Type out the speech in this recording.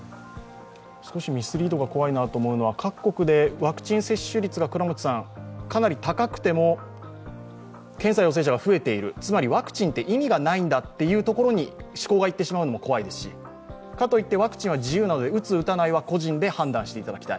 ミスリードが怖いなと思うのは各国でワクチン接種率がかなり高くても検査陽性者が増えている、つまりワクチンって意味がないんだというところに思考がいってしまうのも怖いですし、かといってワクチンは自由ですから打つ・打たないは個人で決めてもらいたい。